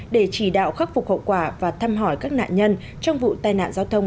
để chỉ đạo khắc phục hậu quả và thăm hỏi các nạn nhân trong vụ tai nạn giao thông